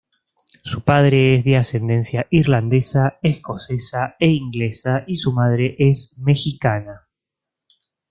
Su padre es de ascendencia irlandesa, escocesa e inglesa y su madre es mexicana.